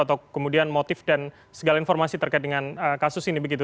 atau kemudian motif dan segala informasi terkait dengan kasus ini begitu